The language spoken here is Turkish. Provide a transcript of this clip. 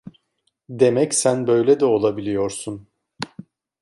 Demek sen böyle de olabiliyorsun?